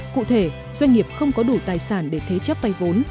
cụ thể doanh nghiệp không có đủ tài sản để thế chấp vay vốn